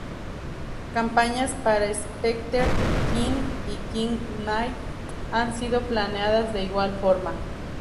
Campañas para Specter Knight y King Knight han sido planeados de igual forma.